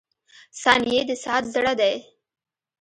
• ثانیې د ساعت زړه دی.